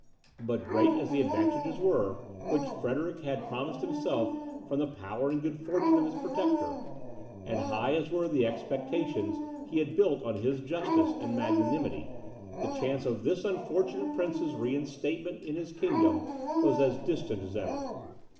But great as the advantages were, which Frederick had promised himself from the power and good fortune of his protector; and high as were the expectations he had built on his justice and magnanimity, the chance of this unfortunate prince's reinstatement in his kingdom was as distant as ever.